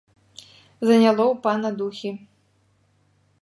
Заняло ў пана духі.